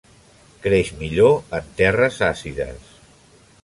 Creix millor en terres àcides.